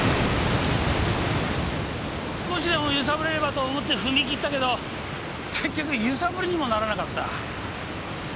少しでも揺さぶれればと思って踏み切ったけど結局揺さぶりにもならなかった。